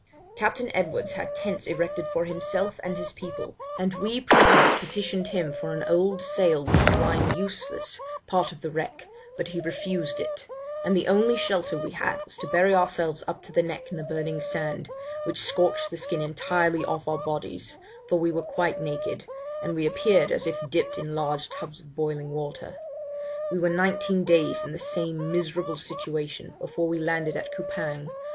Captain Edwards had tents erected for himself and his people, and we prisoners petitioned him for an old sail which was lying useless, part of the wreck, but he refused it; and the only shelter we had was to bury ourselves up to the neck in the burning sand, which scorched the skin entirely off our bodies, for we were quite naked, and we appeared as if dipped in large tubs of boiling water. We were nineteen days in the same miserable situation before we landed at Coupang.